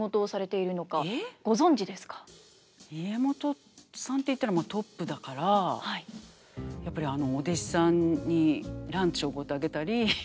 家元さんっていったらトップだからやっぱりお弟子さんにランチを？